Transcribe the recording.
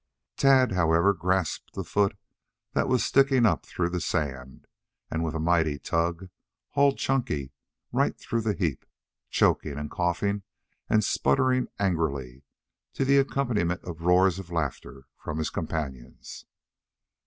Tad, however, grasped the foot that was sticking up through the sand, and with a mighty tug hauled Chunky right through the heap, choking, coughing and sputtering angrily, to the accompaniment of roars of laughter from his companions.